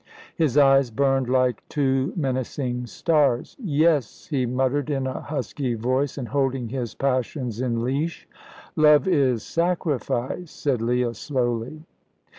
His eyes burned like two menacing stars. "Yes," he muttered in a husky voice, and holding his passions in leash. "Love is sacrifice," said Leah, slowly.